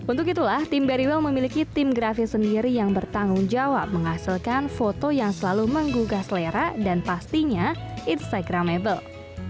untuk itulah tim berry well memiliki tim grafis sendiri yang bertanggung jawab menghasilkan foto yang selalu menggugah selera dan pastinya instagramable